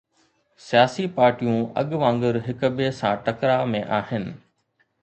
سياسي پارٽيون اڳ وانگر هڪ ٻئي سان ٽڪراءَ ۾ آهن.